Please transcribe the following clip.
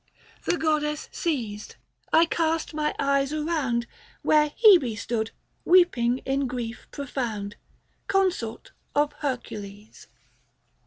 The goddess ceased ; I cast my eyes around 75 Where Hebe stood, weeping in grief profound,. Consort of Hercules